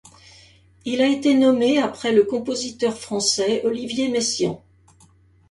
Il a été nommé après le compositeur français Olivier Messiaen.